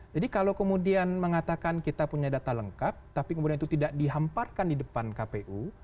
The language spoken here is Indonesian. jadi kalau kemudian mengatakan kita punya data lengkap tapi kemudian itu tidak dihamparkan di depan kpu